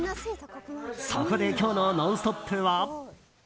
そこで今日の「ノンストップ！」は。